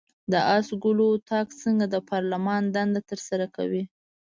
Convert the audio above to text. د آس ګلو اطاق څنګه د پارلمان دنده ترسره کوي؟